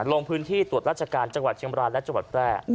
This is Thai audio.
ลงพื้นที่ตรวจราชการจังหวัดเชียงบรายและจังหวัดแพร่